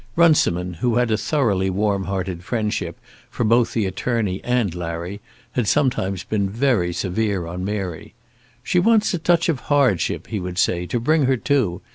Runciman who had a thoroughly warm hearted friendship for both the attorney and Larry had sometimes been very severe on Mary. "She wants a touch of hardship," he would say, "to bring her to.